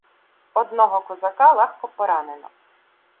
Одного козака легко поранено.